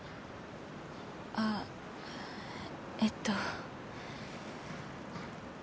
あっえっと。